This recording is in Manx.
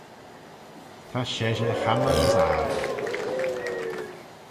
Ta sheshey chammah as ayrn